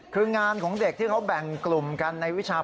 คืองานของเด็กที่เขาแบ่งกลุ่มกันในวิชา